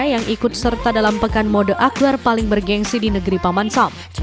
yang ikut serta dalam pekan mode akwar paling bergensi di negeri pamansam